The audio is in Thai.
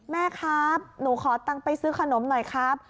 แม่ครับหนูขอตังค์ไปซื้อขนมหน่อยครับ